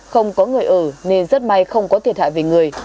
không có người ở nên rất may không có thiệt hại về người